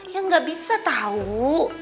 ya gak bisa tau